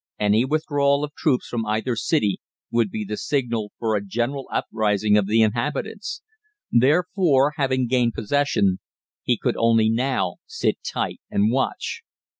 Any withdrawal of troops from either city would be the signal for a general rising of the inhabitants. Therefore, having gained possession, he could only now sit tight and watch.